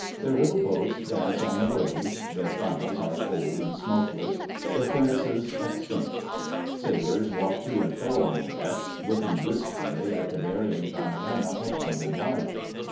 Their little boats dance on the waves, their funnels are cold and smokeless, their furnaces extinct. Sailors walk to and fro on the decks, looking wistfully at the varying panorama of London life.